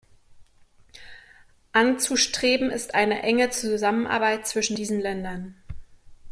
Anzustreben ist eine enge Zusammenarbeit zwischen diesen Ländern.